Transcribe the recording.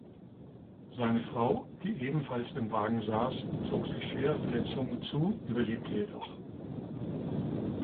Seine Frau, die ebenfalls im Wagen saß, zog sich schwere Verletzungen zu, überlebte jedoch.